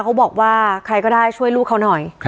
เขาบอกว่าใครก็ได้ช่วยลูกเขาหน่อย